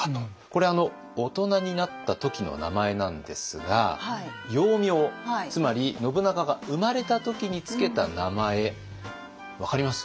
これは大人になった時の名前なんですが幼名つまり信長が生まれた時に付けた名前分かります？